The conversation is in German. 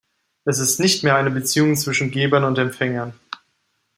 Es ist nicht mehr eine Beziehung zwischen Gebern und Empfängern.